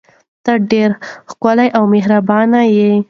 ته ډیره ښکلې او مهربانه یې.